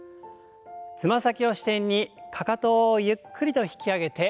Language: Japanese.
つま先を支点にかかとをゆっくりと引き上げて下ろす運動です。